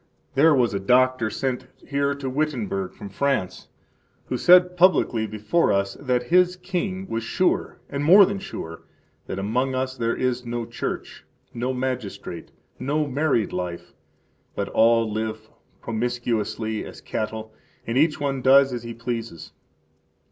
There was a doctor sent here to Wittenberg from France, who said publicly before us that his king was sure and more than sure, that among us there is no church, no magistrate, no married life, but all live promiscuously as cattle, and each one does as he pleases.